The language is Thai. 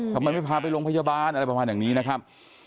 ทำไมไม่พาไปโรงพยาบาลอะไรประมาณอย่างนี้นะครับ